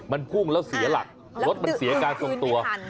มันพุ่งแล้วเสียหลักรถมันเสียการทรงตัว